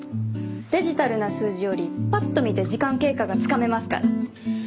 デジタルな数字よりぱっと見て時間経過がつかめますから。